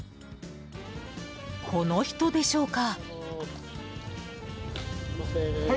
この人でしょうか？